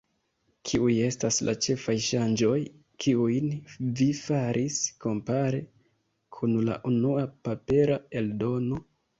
Kiuj estas la ĉefaj ŝanĝoj, kiujn vi faris kompare kun la unua papera eldono?